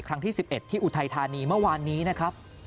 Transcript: ที่๑๑ที่อุทัยธานีเมื่อวานนี้นะครับ